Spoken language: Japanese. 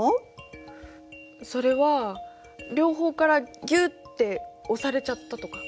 それは両方からぎゅって押されちゃったとか。